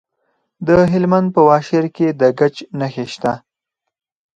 د هلمند په واشیر کې د ګچ نښې شته.